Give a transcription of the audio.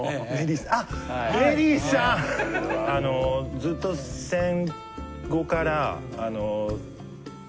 ずっと戦後から。